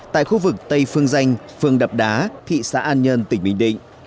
tại khu vực tây phương danh phương đập đá thị xã an nhơn tỉnh bình định